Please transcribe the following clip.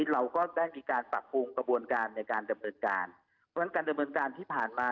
เราก็ได้มีการปรับปรุงกระบวนการในการดำเนินการเพราะฉะนั้นการดำเนินการที่ผ่านมา